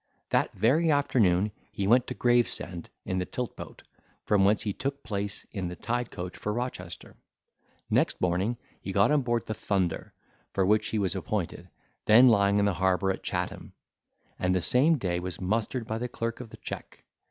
That very afternoon he went to Gravesend in the tilt boat, from whence he took place in the tide coach for Rochester; next morning got on board the "Thunder," for which he was appointed, then lying in the harbour at Chatham; and the same day was mustered by the clerk of the checque.